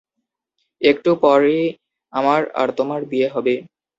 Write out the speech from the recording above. একটু পর ই আমার আর তোমার বিয়ে হবে।"